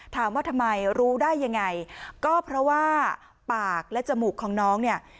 ถามว่าทำไมรู้ได้ยังไงก็เพราะว่าปากและจมูกของน้องเนี่ย